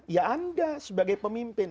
ya anda sebagai pemimpin